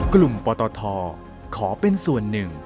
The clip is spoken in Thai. กลุ่มปตทขอเป็นส่วนหนึ่ง